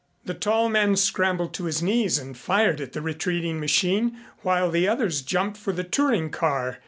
The tall man scrambled to his knees and fired at the retreating machine while the others jumped for the touring car.